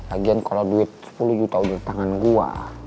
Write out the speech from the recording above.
lagian kalo duit sepuluh juta udah di tangan gue